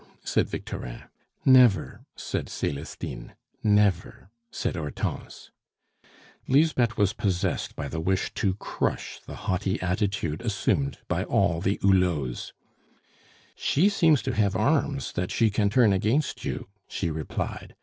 said Victorin. "Never!" said Celestine. "Never!" said Hortense. Lisbeth was possessed by the wish to crush the haughty attitude assumed by all the Hulots. "She seems to have arms that she can turn against you," she replied.